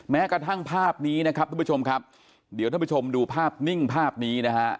แม้กระทั่งภาพนี้นะครับทุกผู้ชมครับเดี๋ยวท่านผู้ชมดูภาพนิ่งภาพนี้นะฮะ